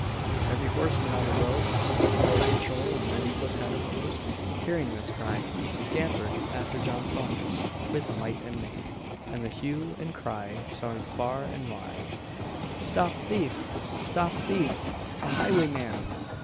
Every horseman on the road, the horse patrol and many foot passengers, hearing this cry, scampered after John Saunders with might and main, and the hue and cry sounded far and wide "Stop thief! stop thief! a highwayman!"